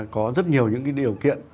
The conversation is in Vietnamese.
có rất nhiều những cái điều kiện